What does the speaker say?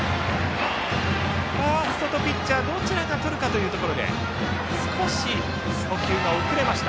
ファーストとピッチャーどちらがとるかというところで少し捕球が遅れました。